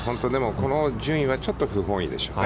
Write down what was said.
この順位は、ちょっと不本意でしょうね。